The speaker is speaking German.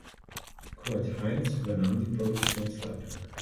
Kurt Heinz übernahm die Produktionsleitung.